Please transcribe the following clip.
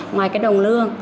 ngoài cái đồng lương